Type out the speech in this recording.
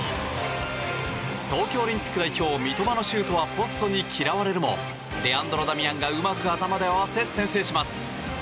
東京オリンピック代表三笘のシュートはポストに嫌われるもレアンドロ・ダミアンがうまく頭で合わせ先制します。